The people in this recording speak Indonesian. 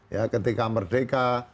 ya ketika merdeka